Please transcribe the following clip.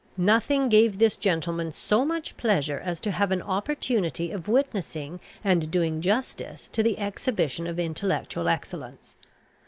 Nothing gave this gentleman so much pleasure as to have an opportunity of witnessing and doing justice to the exhibition of intellectual excellence.